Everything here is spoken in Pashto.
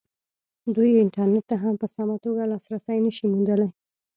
دوی انټرنېټ ته هم په سمه توګه لاسرسی نه شي موندلی.